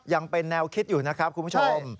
ยังเป็นแนวคิดอยู่นะครับคุณผู้ชม